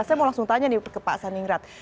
saya mau langsung tanya nih ke pak saningrat